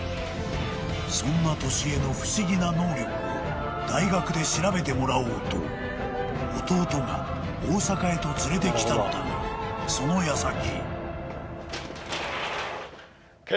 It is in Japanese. ［そんな年恵の不思議な能力を大学で調べてもらおうと弟が大阪へと連れてきたのだがその矢先］